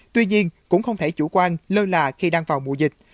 tuy nhiên cũng không thể chủ quan lơ là khi đang vào mùa dịch